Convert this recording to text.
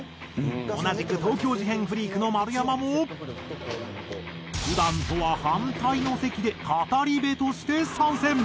同じく東京事変フリークの丸山も普段とは反対の席で語り部として参戦。